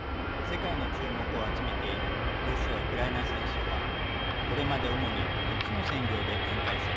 世界の注目を集めているロシア・ウクライナ戦争はこれまで主に３つの戦場で展開されてきました。